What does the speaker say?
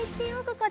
ここで。